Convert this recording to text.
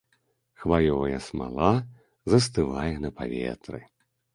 Хваёвая смала застывае на паветры.